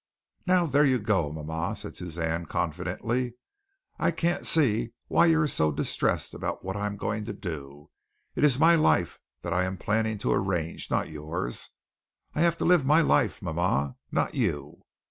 "Now there you go, mama," said Suzanne confidently. "I can't see why you are so distressed about what I am going to do. It is my life that I am planning to arrange, not yours. I have to live my life, mama, not you."